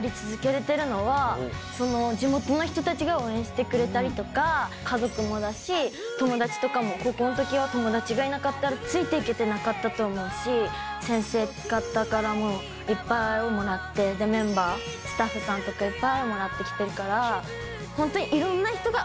地元の人たちが応援してくれたりとか家族もだし友達とかも高校の時は友達がいなかったらついていけてなかったと思うし先生方からもいっぱい愛をもらってでメンバースタッフさんとかいっぱい愛もらってきてるからホントに。